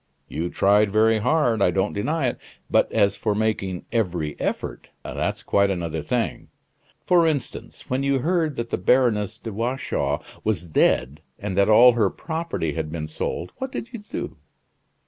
"You tried very hard, I don't deny it; but as for making every effort that's quite another thing. For instance, when you heard that the Baroness de Watchau was dead, and that all her property had been sold, what did you do?"